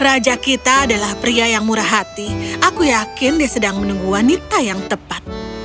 raja kita adalah pria yang murah hati aku yakin dia sedang menunggu wanita yang tepat